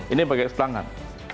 ini pakai tangan